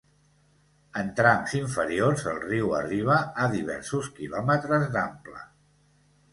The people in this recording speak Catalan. En trams inferiors, el riu arriba a diversos quilòmetres d'ample.